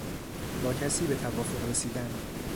با کسی به توافق رسیدن